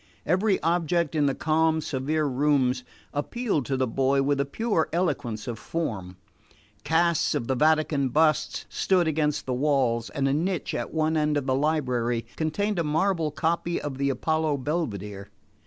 Every object in the calm severe rooms appealed to the boy with the pure eloquence of form. Casts of the Vatican busts stood against the walls and a niche at one end of the library contained a marble copy of the Apollo Belvedere.